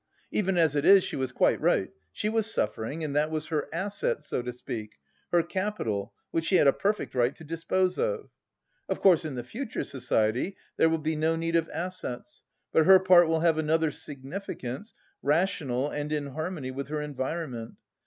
Even as it is, she was quite right: she was suffering and that was her asset, so to speak, her capital which she had a perfect right to dispose of. Of course, in the future society there will be no need of assets, but her part will have another significance, rational and in harmony with her environment.